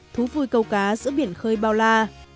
thú vui câu cá giữa biển khơi bao la